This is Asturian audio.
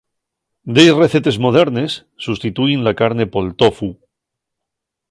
Delles recetes modernes sustitúin la carne pol tofu.